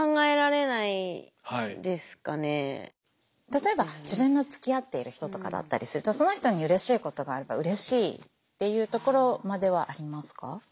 例えば自分のつきあっている人とかだったりするとその人にうれしいことがあればうれしいっていうところまではありますか？